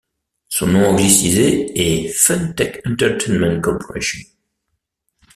Son nom anglicisé est Funtech Entertainment Corporation.